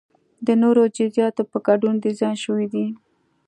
د نورو جزئیاتو په ګډون ډیزاین شوی دی.